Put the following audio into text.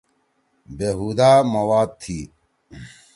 بے ہُودہ مواد تھی۔